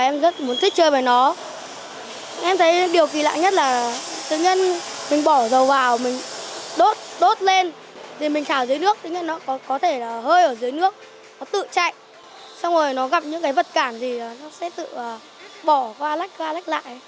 mình bỏ dầu vào mình đốt lên mình chảo dưới nước có thể hơi ở dưới nước nó tự chạy xong rồi nó gặp những vật cản gì nó sẽ tự bỏ qua lách lại